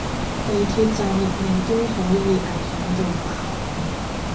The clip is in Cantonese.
地鐵站入面都可以危險到爆